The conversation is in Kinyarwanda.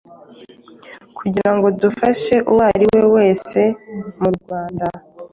kugira ngo dufashe uwari we wese mu Rwanda